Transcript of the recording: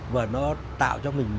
và nó tạo cho mình